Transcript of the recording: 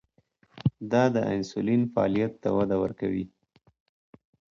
دا د انسولین فعالیت ته وده ورکوي.